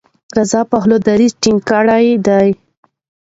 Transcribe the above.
رضا پهلوي دریځ ټینګ کړی دی.